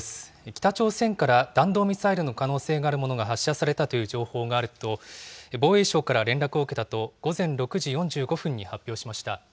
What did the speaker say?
北朝鮮から弾道ミサイルの可能性があるものが発射されたという情報があると、防衛省から連絡を受けたと午前６時４５分に発表しました。